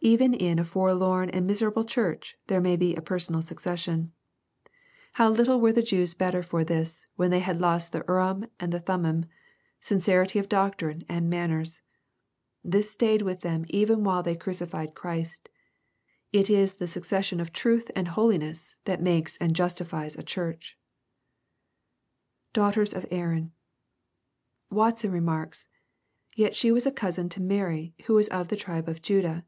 Even in a forlorn and mia* erable church, there may be a personal succession. Hpw titU* 12 EXPOSITOBT THOUGHTS. vrere the Jews better for this, when they had lost the IJrim and Thummim, sincerity of doctrine and manners I This stayed with them even while they crucified Christ It is the succession of truth and holiness that makes and justifies a church." [Daughiers of Aaron.] Watson remarks, " Yet she was cousin to Mary, who was of the tribe of Judah.